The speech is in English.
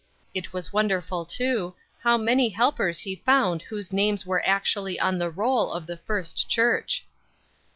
It was wonderful, too, how many helpers he found whose names were actually on the roll of the First Church!